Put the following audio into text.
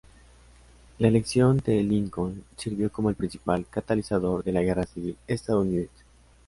La elección de Lincoln sirvió como el principal catalizador de la Guerra Civil estadounidense.